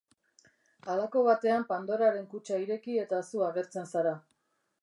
Halako batean Pandoraren kutxa ireki eta zu agertzen zara.